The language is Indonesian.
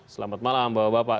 selamat malam bapak bapak